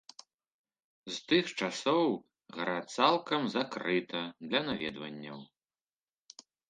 З тых часоў гара цалкам закрыта для наведванняў.